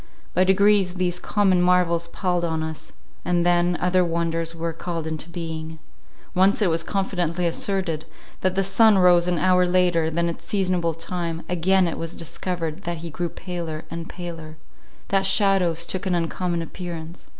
By degrees these common marvels palled on us, and then other wonders were called into being. Once it was confidently asserted, that the sun rose an hour later than its seasonable time; again it was discovered that he grew paler and paler; that shadows took an uncommon appearance.